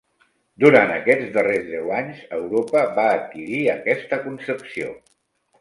Durant aquests darrers deu anys, Europa va adquirir aquesta concepció.